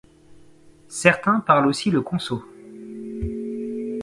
Certains parlent aussi le konso.